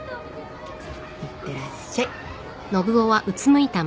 いってらっしゃい。